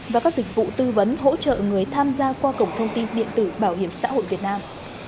và các dịch vụ tư vấn hỗ trợ người tham gia qua cổng thông tin điện tử bảo hiểm xã hội việt nam